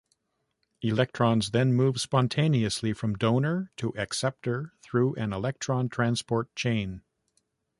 Electrons then move spontaneously from donor to acceptor through an electron transport chain.